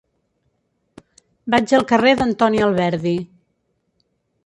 Vaig al carrer d'Antoni Alberdi.